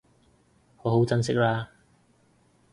好好珍惜喇